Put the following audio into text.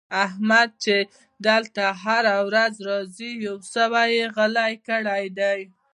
احمد چې دلته هره ورځ راځي؛ يو سوی يې غلی کړی دی.